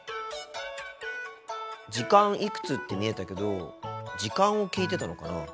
「時間いくつ」って見えたけど時間を聞いてたのかな？